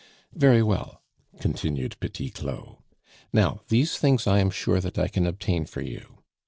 "Very well," continued Petit Claud, "now these things I am sure that I can obtain for you.